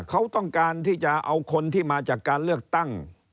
เขาต้องการที่จะเอาคนที่มาจากการเลือกตั้ง